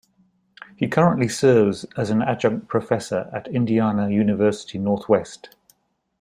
He currently serves as an adjunct professor at Indiana University-Northwest.